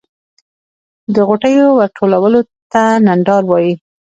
د غوټیو ورتولو ته ډنډار وایی.